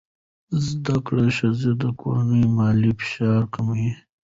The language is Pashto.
زده کړه ښځه د کورنۍ مالي فشار کموي.